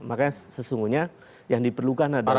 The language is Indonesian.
makanya sesungguhnya yang diperlukan adalah